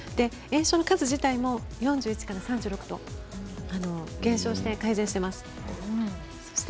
炎症の数自体も４１から３６と減少して改善しています。